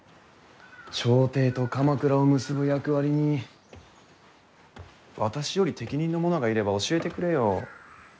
朝廷と鎌倉を結ぶ役割に私より適任の者がいれば教えてくれよ。